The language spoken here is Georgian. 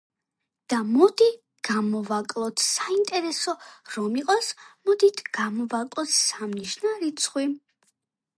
და მოდი გამოვაკლოთ, საინტერესო რომ იყოს, მოდით გამოვაკლოთ სამნიშნა რიცხვი.